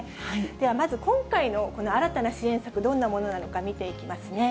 ではまず、今回のこの新たな支援策、どんなものなのか見ていきますね。